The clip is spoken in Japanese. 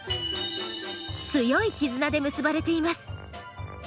強い絆で結ばれています。